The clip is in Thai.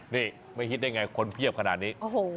ดูได้ไงคนเพียบขนาดนี้